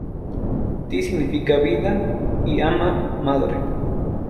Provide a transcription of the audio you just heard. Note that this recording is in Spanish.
Ti significa vida y "ama", madre.